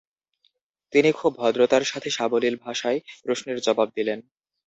তিনি খুব ভদ্রতার সাথে সাবলীল ভাষায় প্রশ্নের জবাব দিলেন।